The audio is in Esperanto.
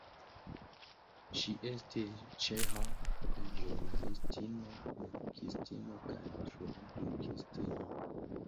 Ŝi estis ĉeĥa ĵurnalistino, verkistino kaj tradukistino.